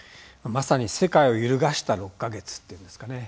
まさに世界を揺るがした６か月っていうんですかね。